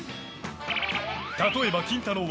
例えばキンタロー。